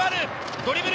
ドリブル！